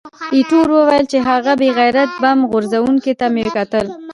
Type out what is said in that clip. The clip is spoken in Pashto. ایټور وویل چې، هغه بې غیرته بم غورځوونکي ته مې کتل.